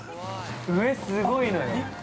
上、すごいのよ。